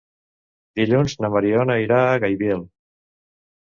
Dilluns na Mariona irà a Gaibiel.